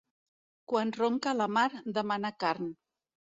Quan ronca la mar demana carn.